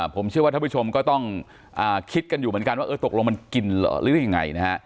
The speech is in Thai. ผมเชื่อว่าท่านผู้ชมก็ต้องคิดกันอยู่เหมือนกันว่าเออตกลงมันกินเหรอหรือได้ยังไงนะฮะ